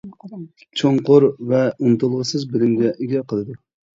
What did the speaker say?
چوڭقۇر ۋە ئۇنتۇلغۇسىز بىلىمگە ئىگە قىلىدۇ.